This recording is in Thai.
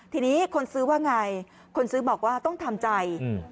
ทีนี้คนซื้อว่าไงคนซื้อบอกว่าต้องทำใจอืม